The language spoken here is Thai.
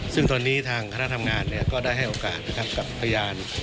ซึ่งตอนนี้ทางคุณธนาคารทำงานก็ได้ให้โอกาสกับพยาน